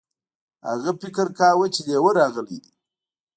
هغه فکر کاوه چې لیوه راغلی دی.